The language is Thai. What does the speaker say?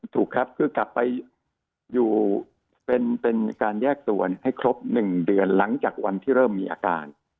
ถูกครับคือกลับไปอยู่เป็นการแยกตัวให้ครบ๑เดือนหลังจากวันที่เริ่มมีอาการ